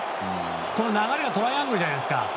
この流れがトライアングルじゃないですか。